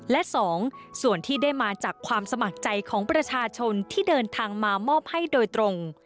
และ๒ส่วนที่ได้มาจากความสมัครใจของประชาชนที่เดินทางมามอบให้โดยตรง